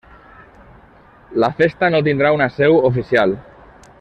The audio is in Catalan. La Festa no tindrà una seu oficial.